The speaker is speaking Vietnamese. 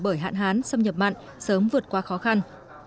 bởi hạn hán xâm nhập mặn sớm vượt qua khó khăn